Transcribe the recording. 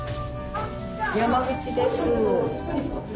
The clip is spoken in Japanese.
山口です。